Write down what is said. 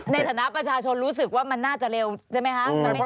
ในฐานะประชาชนรู้สึกว่ามันน่าจะเร็วใช่ไหมคะ